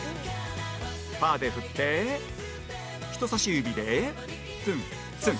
パーで振って人さし指でツンツン